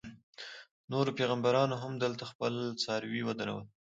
نورو پیغمبرانو هم دلته خپل څاروي ودرول.